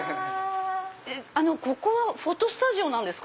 ここはフォトスタジオですか？